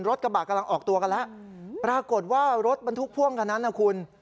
กระบะกำลังออกตัวกันแล้วปรากฏว่ารถบรรทุกพ่วงคันนั้นนะคุณ